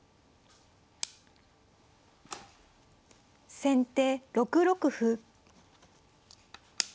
先手６六歩。